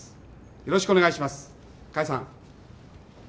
よろしくお願いします。解散。